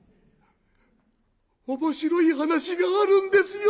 面白い話があるんですよ。